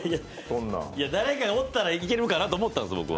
誰かおったらいけるかなと思ったんです、僕は。